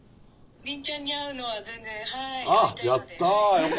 凜ちゃんに会うのは全然はい会いたいので。